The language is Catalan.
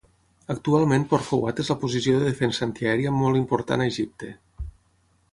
Actualment Port Fouad és la posició de defensa antiaèria molt important a Egipte.